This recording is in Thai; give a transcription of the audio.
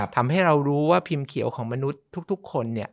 ทำให้เรารู้ว่าพิมพ์เขียวของมนุษย์ทุกคน